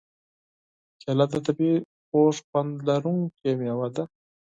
کېله د طبعیي خوږ خوند لرونکې مېوه ده.